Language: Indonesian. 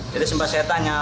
jadi sempat saya tanya